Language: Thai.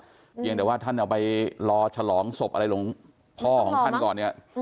อย่างเดี๋ยวว่าท่านเอาไปรอฉลองศพอะไรลงพ่อของท่านก่อน